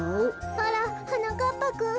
あらはなかっぱくん。